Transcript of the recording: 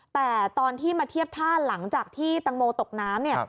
แต่ตอนที่มาเทียบท่าหลังจากที่ตังโมตกน้ำเนี่ย